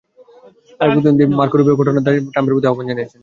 আরেক প্রতিদ্বন্দ্বী Marco Rubio ঘটনার দায় নিতে ট্রাম্পের প্রতি আহ্বান জানিয়েছেন।